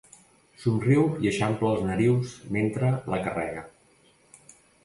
Somriu i eixampla els narius mentre la carrega.